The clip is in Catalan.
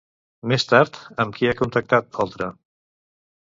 Més tard, amb qui ha contactat Oltra?